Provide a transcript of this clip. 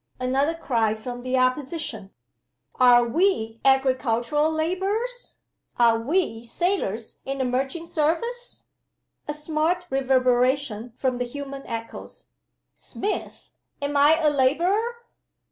Another cry from the Opposition: "Are we agricultural laborers? Are we sailors in the merchant service?" A smart reverberation from the human echoes: "Smith! am I a laborer?"